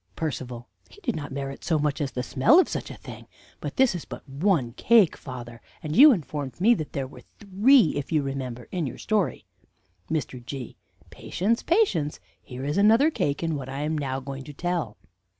Percival. He did not merit so much as the smell of such a thing. But this is but one cake, father; and you informed me that there were three, if you remember, in your story. Mr. G. Patience! patience! Here is another cake in what I am now going to tell.